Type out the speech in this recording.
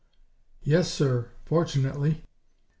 "Yes, sir fortunately."